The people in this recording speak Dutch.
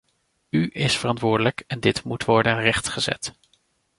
U is verantwoordelijk en dit moet worden rechtgezet.